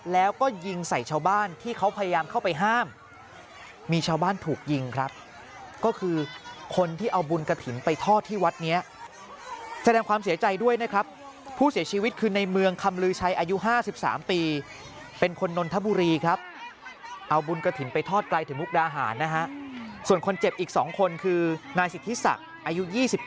ส่วนคนเจ็บอีก๒คนคือนายสิทธิศักดิ์อายุ๒๘